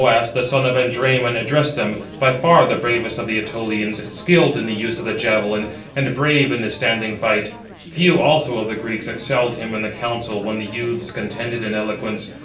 Then Thoas, the son of Andræmon, addressed them, by far the bravest of the Ætolians, skilled in the use of the javelin, and brave in the standing fight; few also of the Greeks excelled him in the council when the youths contended in eloquence.